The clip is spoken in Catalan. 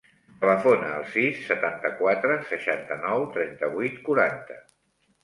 Telefona al sis, setanta-quatre, seixanta-nou, trenta-vuit, quaranta.